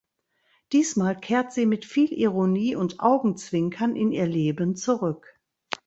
Diesmal kehrt sie mit viel Ironie und Augenzwinkern in ihr Leben zurück.